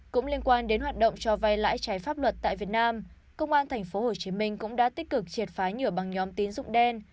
cũng liên quan đến hoạt động cho vay lãi trái pháp luật tại việt nam công an tp hcm cũng đã tích cực triệt phá nhiều bằng nhóm tín dụng đen